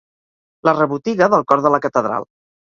La rebotiga del cor de la catedral.